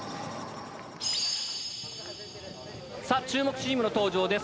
さあ注目チームの登場です。